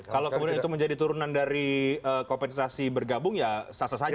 kalau kemudian itu menjadi turunan dari kompensasi bergabung ya sah sah saja